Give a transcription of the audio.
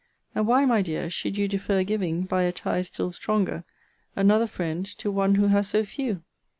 And why, my dear, should you defer giving (by a tie still stronger) another friend to one who has so few?